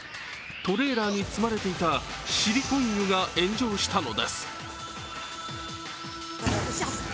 トレーラーに積まれていたシリコン油が炎上したのです。